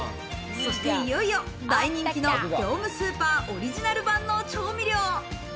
そしていよいよ大人気の業務スーパーオリジナル万能調味料。